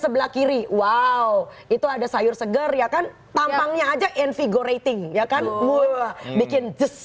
sebelah kiri wow itu ada sayur seger ya kan tampangnya aja in figurating ya kan bikin jus